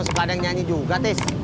sekadang nyanyi juga tis